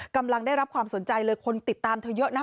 กำลังได้รับความสนใจเลยคนติดตามเธอเยอะนะ